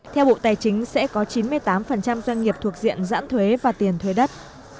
theo bộ tài chính sẽ có chín mươi tám doanh nghiệp thuộc diện giãn thuế và tiền thuế đất